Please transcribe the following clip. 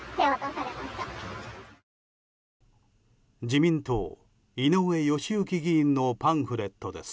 自民党、井上義行議員のパンフレットです。